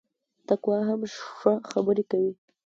تقوا هم ښه خبري کوي